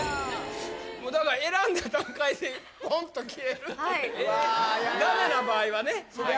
もうだから選んだ段階でポンッと消えるというダメな場合はね